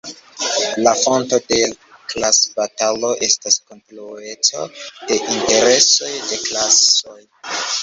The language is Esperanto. La fonto de klasbatalo estas kontraŭeco de interesoj de klasoj.